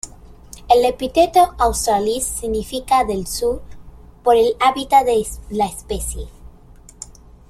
El epíteto "australis" significa "del sur", por el hábitat de la especie.